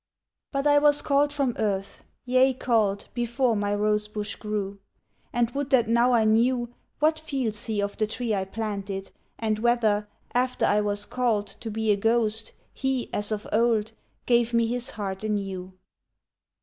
But I was called from earth—yea, called Before my rose bush grew; And would that now I knew What feels he of the tree I planted, And whether, after I was called To be a ghost, he, as of old, Gave me his heart anew!